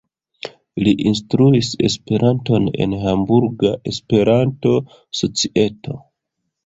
Li instruis Esperanton en Hamburga Esperanto-Societo.